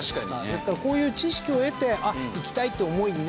ですからこういう知識を得て行きたいという思いになって。